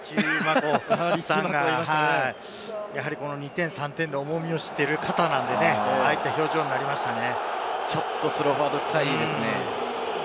やはり二転三転の重みを知っている方なんで、ああいった表情になりましたね。